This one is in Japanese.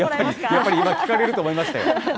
やっぱり、今、聞かれると思いましたよ。